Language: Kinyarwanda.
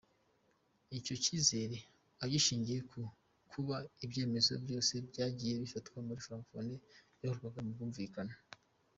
Icyo cyizere agishingiye ku kuba ibyemezo byose byagiye bifatwa muri Francophonie byakorwaga mu bwumvikane.